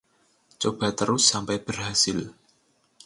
coba terus sampai berhasil